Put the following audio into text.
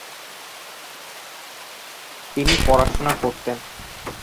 তিনি পড়াশোনা করতেন।